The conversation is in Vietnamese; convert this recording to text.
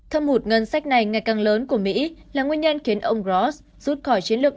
thâm hụt ngân sách này ngày càng lớn của mỹ là nguyên nhân khiến ông ros rút khỏi chiến lược